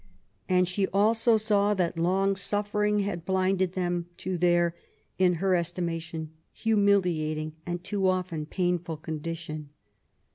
And she also saw that long suffer \ ing had blinded them to their, in her estimation, humili i ating and too often painful condition.